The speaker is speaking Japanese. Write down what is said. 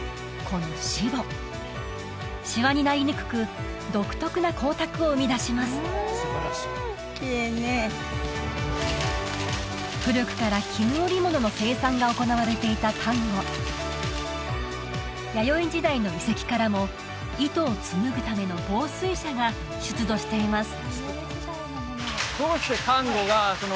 このシボシワになりにくく独特な光沢を生み出します古くから絹織物の生産が行われていた丹後弥生時代の遺跡からも糸を紡ぐための紡錘車が出土しています